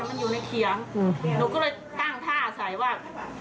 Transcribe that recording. มีแรกมีดในเคียงเลยจะให้หนูว่าอย่างนี้เลย